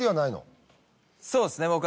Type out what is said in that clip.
そうですね